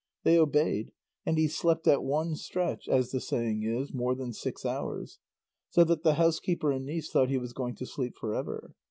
They obeyed, and he slept at one stretch, as the saying is, more than six hours, so that the housekeeper and niece thought he was going to sleep for ever.